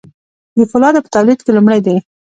د فولادو په تولید کې لومړی دي.